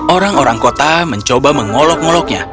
orang orang kota mencoba mengolok ngoloknya